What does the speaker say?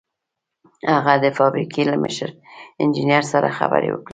هغه د فابریکې له مشر انجنیر سره خبرې وکړې